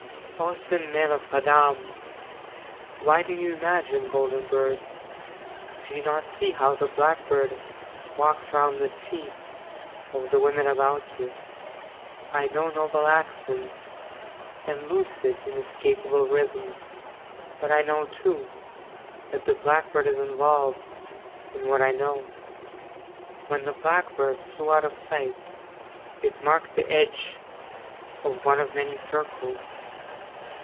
VII O thin men of Haddam, Why do you imagine golden birds? Do you not see how the blackbird Walks around the feet Of the women about you? VIII I know noble accents And lucid, inescapable rythms; But I know, too, That the blackbird is involved In what I know. IX When the blackbird flew out of sight, It marked the edge Of one of many circles.